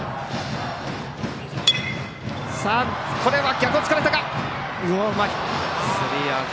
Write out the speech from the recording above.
これは逆を突かれたがうまい、スリーアウト！